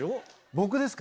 僕ですか？